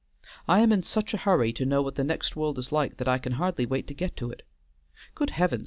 I am in such a hurry to know what the next world is like that I can hardly wait to get to it. Good heavens!